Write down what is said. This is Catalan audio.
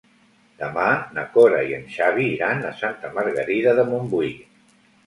Demà na Cora i en Xavi iran a Santa Margarida de Montbui.